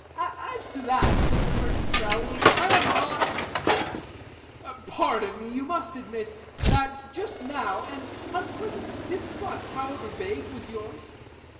"As to that," said the merchant, rallying, "I am not " "Pardon me, but you must admit, that just now, an unpleasant distrust, however vague, was yours.